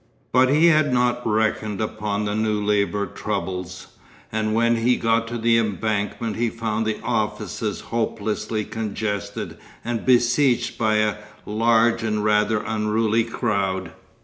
But he had not reckoned upon the new labour troubles, and when he got to the Embankment he found the offices hopelessly congested and besieged by a large and rather unruly crowd.